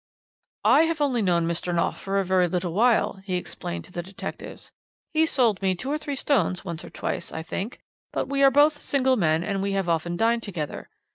"'I have only known Mr. Knopf a very little while,' he explained to the detectives. 'He sold me two or three stones once or twice, I think; but we are both single men, and we have often dined together.